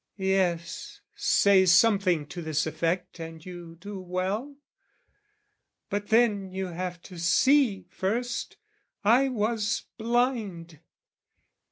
Yes, say Something to this effect and you do well! But then you have to see first: I was blind.